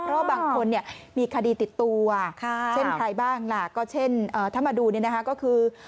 เพราะบางคนเนี่ยมีคดีติดตัวเช่นใครบ้างล่ะก็เช่นถ้ามาดูเนี่ยนะคะก็คือ